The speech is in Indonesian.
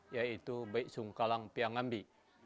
yaitu baik sungkalang piang ambi